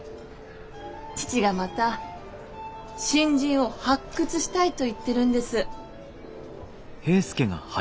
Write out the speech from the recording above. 父がまた新人を発掘したいと言ってるんです。